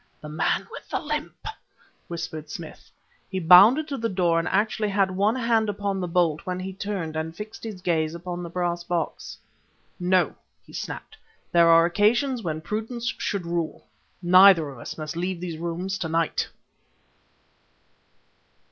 "The man with the limp!" whispered Smith. He bounded to the door and actually had one hand upon the bolt, when he turned, and fixed his gaze upon the brass box. "No!" he snapped; "there are occasions when prudence should rule. Neither of us must leave these rooms to night!"